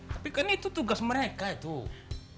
tapi kan itu tugas mereka tuh